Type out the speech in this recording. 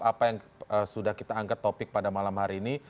apa yang sudah kita angkat topik pada malam hari ini